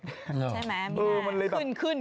ใช่มะมีหน้าขึ้น